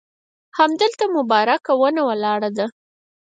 همدلته مبارکه ونه ولاړه ده.